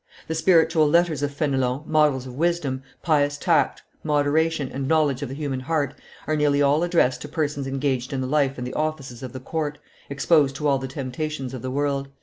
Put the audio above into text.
The spiritual letters of Fenelon, models of wisdom, pious tact, moderation, and knowledge of the human heart, are nearly all addressed to persons engaged in the life and the offices of the court, exposed to all the temptations of the world.